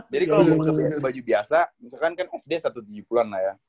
jadi kalo aku pake baju biasa misalkan kan sd satu ratus tujuh puluh an lah ya